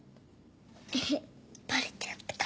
エヘバレちゃったか。